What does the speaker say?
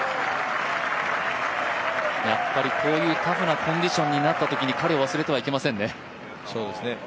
やっぱりこういうタフなコンディションになったときに、彼を忘れてはいけませんね。